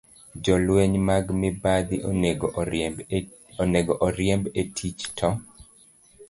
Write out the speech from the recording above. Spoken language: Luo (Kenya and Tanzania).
Jolweny mag mibadhi onego oriemb e tich, to